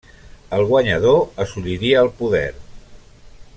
El guanyador assoliria el poder.